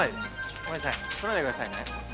ごめんなさい撮らないでくださいね。